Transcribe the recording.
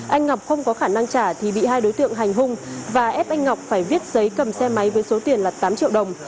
anh ngọc không có khả năng trả thì bị hai đối tượng hành hung và ép anh ngọc phải viết giấy cầm xe máy với số tiền là tám triệu đồng